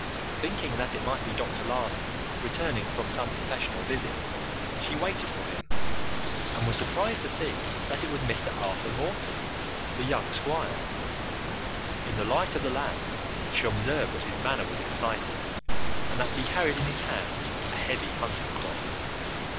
Thinking that it might be Dr. Lana returning from some professional visit, she waited for him, and was surprised to see that it was Mr. Arthur Morton, the young squire. In the light of the lamp she observed that his manner was excited, and that he carried in his hand a heavy hunting crop.